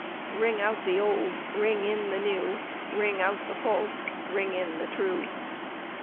Ring out the old, ring in the new, Ring out the false, ring in the true.